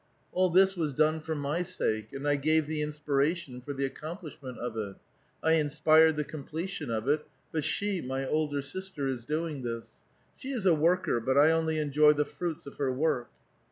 " All this was done for my sake, and I gave the inspira tion for the accomplishment of it ; I inspired the completion of it, but she, my older sister, is doing this. She is a worker, but I only enjoy the fruits of her work."